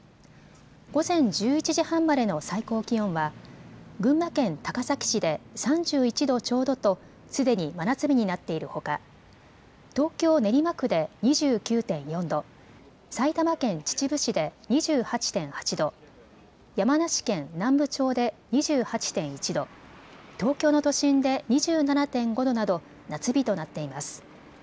午前１１時半までの最高気温は群馬県高崎市で３１度ちょうどとすでに真夏日になっているほか、東京練馬区で２９．４度、埼玉県秩父市で２８．８度、山梨県南部町で２８．１度、東京の都心で２７．５度など夏日となっています。